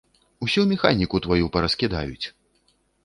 Усю механіку тваю параскідаюць!